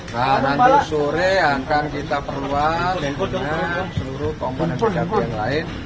nah nanti sore akan kita perluas dengan seluruh komponen sesuatu yang lain